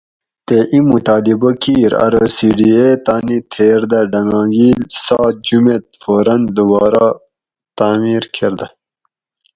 تے اِیں مُطالبہ کِیر ارو سی ڈی اے تانی تھیر دہ ڈنگاگیل سات جُمیت فوراً دوبارہ تعمیر کۤردہ